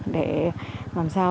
để làm sao